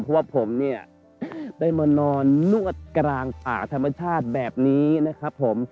เพราะว่าผมเนี่ยได้มานอนนวดกลางป่าธรรมชาติแบบนี้นะครับผม